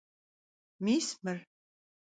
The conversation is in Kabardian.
Mis mır.